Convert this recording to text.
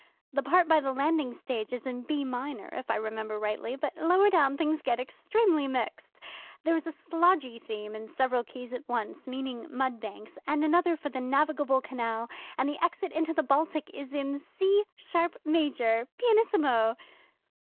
The part by the landing stage is in B minor, if I remember rightly, but lower down things get extremely mixed. There is a slodgy theme in several keys at once, meaning mud banks, and another for the navigable canal, and the exit into the Baltic is in C sharp major, pianissimo."